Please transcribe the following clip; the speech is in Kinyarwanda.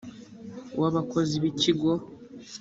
w abakozi b ikigo